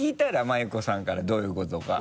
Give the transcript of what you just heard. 真祐子さんからどういうことか。